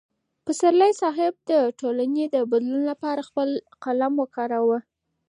پسرلی صاحب د ټولنې د بدلون لپاره خپل قلم وکاراوه.